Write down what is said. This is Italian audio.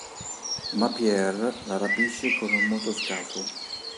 Ma Pierre la rapisce con un motoscafo.